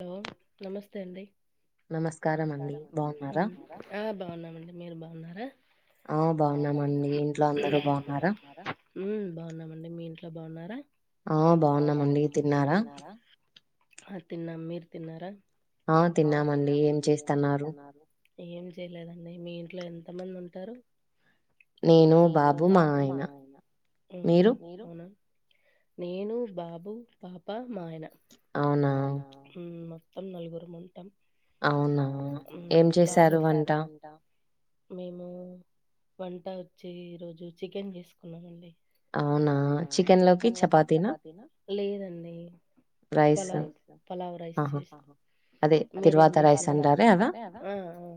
Hello నమస్తే అండి నమస్కారం ఆ బాగున్నామండి మీరు బాగున్నారా ఉ బాగున్నామండి మీ ఇంట్లో బాగున్నారా ఆ బాగున్నామండి తిన్నారా ఆ తినం మీరు తిన్నారా ఆ తిన్నామండి ఏం చేస్తున్నారు ఏం చేయలేదండి మీ ఇంట్లో ఎంత మంది ఉంటారు. నేను బాబు మా ఆయన మ్ హు మీరు నేను బాబు పాపా అవునా హు మొత్తం నలుగురం ఉంటాం. అవునా ఏ చేశారు వంట మేము వంట వచ్చి ఈ రోజు చికెన్ చేసుకున్నామండి. అవునా చికెన్ లోకి చపాతీనా లేదండి. రైస్ పలావ్ రైస్ చేసా ఆహా మీరేం చేసినార్ తీర్వాత రైస్ అంటారే అదా ఆ ఆ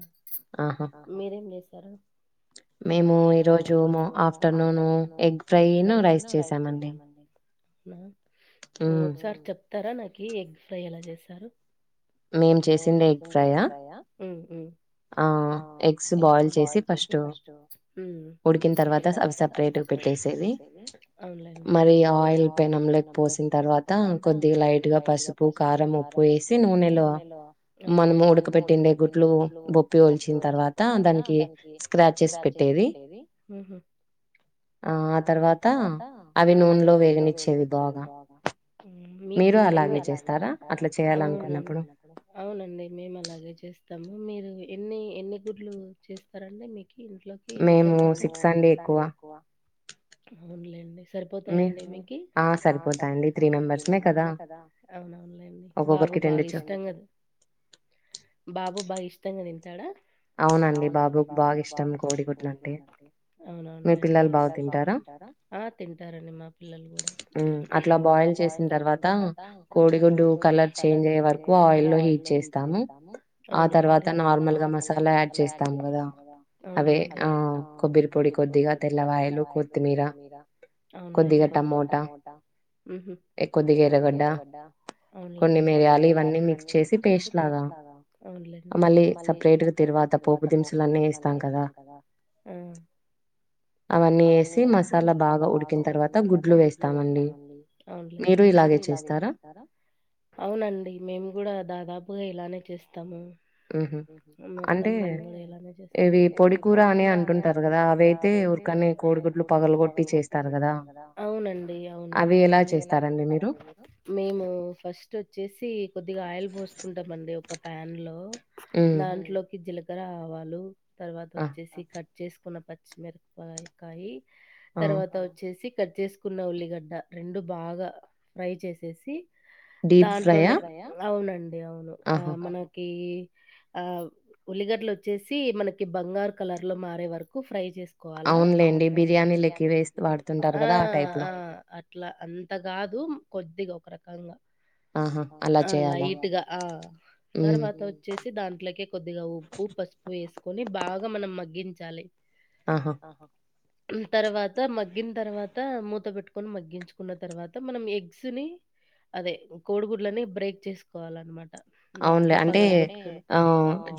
ఆహా మీరేం చేసారు. మేము ఈ రోజేమో ఆఫ్టర్నూన్ ఎగ్ ఫ్రైయ్ను రైస్ చేశామండి. మ్ ఒకసారి చెప్తారా నాకు ఎగ్ ఫ్రై ఎలా చేసారు. మేం చేసిందడే ఎగ్ ఫ్రైయ్య మ్ మ్ ఆ ఎగ్స్ బాయిల్ చేసి ఫస్ట్ మ్ ఉడికిన తర్వాత [unintelligible] పెట్టేసేది. అవున్లేండి. మరి ఆయిల్ పెనంలోకి పోసిన తర్వాత కొద్ది గ పసుపు పసుపు కారం ఉప్పు వేసి నూనెలో అవున్లేండి మనం ఉడక పెట్టిండే గుడ్లు ప్పు బొప్పి వల్చిన తర్వాత దానికి స్క్రాచెస్ పెట్టేది. మ్ హు ఆ తర్వాత అవి నూనెలో వేగనిచ్చేది బాగా మీ మీరు అలాగే చేస్తా చేస్తారా అట్ల చేయాలనుకున్నప్పుడు అవునం అవునండి మేము అలాగే చేస్తామ్. మీరు ఎన్ని ఎన్ని గుడ్లు చేస్తారండి మీకు కి ఇంట్లోకి ఎన్ని సరిపోతాయ్ మేము సిక్స్ అండి ఎక్కువ అవునులేండి. సరిపోతాయండి మీకి ఆ సరిపోతాయండి త్రీ మెంబర్స్మే కదా అవునవున్లేండి బాబు బాగా ఇష్టంగ బాబు బాగా ఇష్టం ంగా తింటాడా అవునండి బాబుకి బాగా ఇష్టం కోడిగుడ్లంటే అవునవున్లేండి. మీ పిల్లలు బాగ తిం టారా ఆ తింటారండి మా పిల్లలు కూడా మ్ అట్లా బాయిల్ చేసిన తర్వాత కోడిగుడ్డు కలర్ చేంజ్ అయ్యే వరకు ఆయిల్లో హీట్ చేస్తాము. అవున్లేండి. ఆ తర్వాత నార్మల్ గా మసాలా యాడ్ చేస్తాం కదా అవున్లేండి అదే కొబ్బరి పొడి కొద్దిగా తెల్లవాయలు కొత్తిమీరా అవున్లేండి. కొద్దిగ టమోటా మ్ హు కొద్దిగ ఎర్రగడ్డ అవున్లేండి. కొన్ని మిరియాలు ఇవన్నీ మిక్స్ చేసి పేస్ట్ లాగా అవున్లేండి మళ్ళీ సప్ సప్రేట్గ తిరువాత పోపు దింసులన్నీ వేస్తాం కదా ఆ అవన్నీ వేసి మసాలా బాగా ఉడికిన తర్వాత గుడ్లు వేస్తామండి. అవున్లేం ఇలాగే చేస్తారా అవునండి. మేము కూడా దాదాపుగా ఇలానే చేస్తాము. మ్ హు మొత్తం మేము కూడా ఇలానే చెస్తాం. ఇది పొడి కూర అని అంటుంటారు కదా అదే అయితే ఊర్కనే కోడిగుడ్లు పగలు కొట్టి చేస్తారు కదా అవునండి అవును అది ఎలా చేస్తారు రండి మీరు మేము ఫస్ట్ వచ్చేసి కొద్దిగా ఆయిల్ పోసుకుంటామండి ఒక ప్యాన్ లో దాంట్లోకి జీలకర ఆవాలు తర్వాత వచ్చేసి కట్ చేసుకున్న పచ్చిమిరపకాయకాయి తర్వాత వచ్చేసి కట్ చేసుకున్న ఉల్లిగడ్డ రెండు బాగా ఫ్రై చేసేసి దాంట్లోనే డీప్ ఫ్రైయా అవునండి. అవును ఆ మనకి ఆ ఉల్లిగడ్లు వచ్చేసి మనకి బంగారు కలర్ లో మారే వరకు ఫ్రై చేస్ కోవాలా అవునులేండి బిర్యానీ లేకి వేస్తారు ఆ ఆ అట్ల అంత కాదు దు కొద్దిగా ఒక రకంగా ఆ లైట్గా ఆ తర్వాత వచ్చేసి దాంట్లోకే కొద్దిగా ఉప్పు పసుపు వేసుకొని బాగా మనం మగ్గించాలి ఆహో తర్వాత మగ్గిన తర్వాత మూత పెట్టుకొని మగ్గించుకున్న తర్వాత మనం ఎగ్స్ ని అదే కోడిగుడ్లని బ్రేక్ చేసుకోవాలన్నమాట అవునులే అంటే ఆ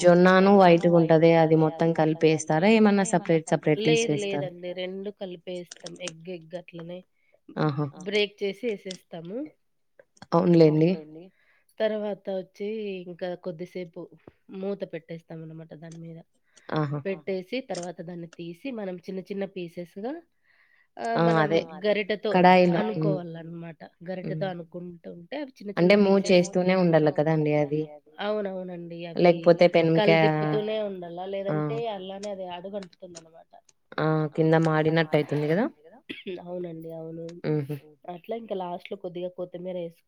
జొన్నాను వయటకు ఉంటది అది మొత్తం కలిపి వేస్తారా స్తారా ఏమన్నా సపరేట్ లేదు లేదండి రెండు కలిపేస్తాం ఎగ్ ఎగ్గ అట్లనే బ్రేక్ చేసి వేసేస్తాము అవన్లెండి తర్వాత వచ్చి ఇంకా కొద్దిసేపు మూత పెట్టేస్తాం అనమాట దాని మీీద పెట్టేసి తర్వాత దాన్ని తీసి మనం చిన్న చిన్న పీసెస్ గా ఆ మనం గరిటతో అనుకోవాలన్నమాట గరిటతో అనుకుంటు చిన్న చిన్న పీసెస్స్తూ అవునవునండి అవి కల్ దీప్ తీప్పుతూనే ఉండాల లేదంటే అల్లానే అది ఆడుగంటుతుంది అనమాట ఆ పిల్ల మాది అతుంది కదా అవునండి అవును అట్లా ఇంకా లాస్ట్ లో కొద్దిగా కొత్తిమీర్ ఏ స్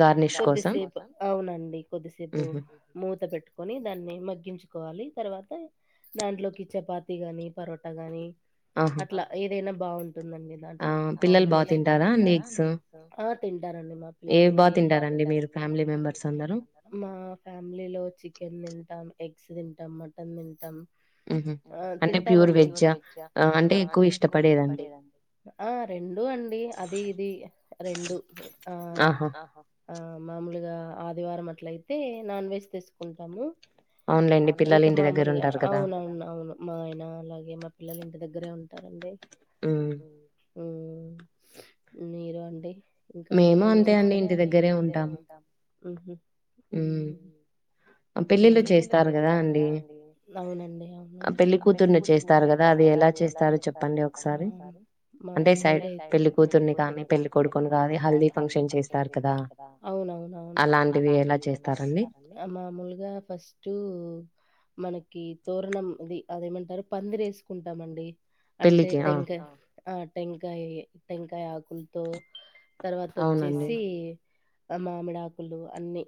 గారు కొద్దిసేపు అవునండి కొద్దిసేపు మూత పెట్టుకొని దాన్ని మగ్గించు కోవాలి తర్వాత దాంట్లోకి చపాతి గాని పరోట గాని అట్లా ఏదైనా బాగుం టుందండి దాంట్లోకి కాంబినేషన్ ఆ తి న్ టారండి మా పిల్లలు మా ఫ్యామిలీలో చికెన్ తిం టాం ఎగ్స్ తింటాం మటన్ తింటాం ఉమ్ హు ఆ తింటామండి ప్యూర్ వెజా అంటే ఎక్కువ ఇష్టపడేదండి ఆ రెండూ అండి డి అది ఇది రెండు ఆ ఆ మామూలుగా ఆదివారం అట్లయితే నాన్ వెజ్ తెచ్చుకుంటాము అవ్న్లె ఇంకా మామూలుగా అవునవును అవును మా ఆయన అలాగే మా పిల్లలు ఇంటి దగ్గరే ఉంటారం డి ఉమ్ ఉమ్ మీరు అండి ఇంకా అండి ఏం చేస్తారే మేము అంతే అండి ఇంటి దగ్గరే ఉంటాము ఉంహు పెళ్ళిలు చేస్తారు కదా అండి అవునండి అవును ఆ పెళ్లిి కూతుర్ని చేస్తారు కదా అది ఎలా చేస్తారు చెప్పన్ డి ఓకసారి మా సైడ్ అయ్ పెళ్లిికూతుర్ని కానీ పెళ్లి కొన్నిసార్లు హాల్దీ ఫంక్షన్ చేస్తారు కదా అవునవును అలాంటిది తరండి మామూలుగా ఫస్ట్ మనకి తోరణం ఇది అదేమంటారు పందిరీ వేసుకుంటామండి అంటే టెంకయ్ ఆ టెంకాయి టెంకాయ ఆకులతో తర్వాత వచ్చేసి ఆ మామిడాకులు అన్ని